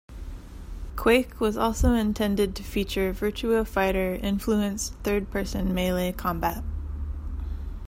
"Quake" was also intended to feature "Virtua Fighter" influenced third-person melee combat.